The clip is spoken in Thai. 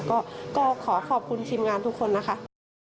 ก็ขอขอบคุณทีมงานทุกคนนะคะ